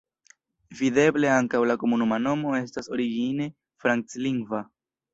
Videble ankaŭ la komunuma nomo estas origine franclingva.